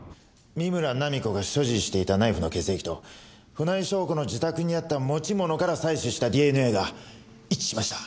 三村菜実子が所持していたナイフの血液と船井翔子の自宅にあった持ち物から採取したＤＮＡが一致しました。